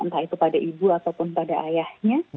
entah itu pada ibu ataupun pada ayahnya